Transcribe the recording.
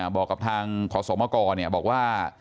บอกกับทางขอสมกรบอกว่า